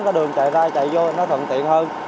cái đường chạy ra chạy vô nó thuận tiện hơn